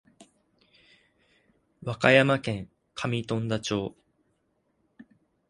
和歌山県上富田町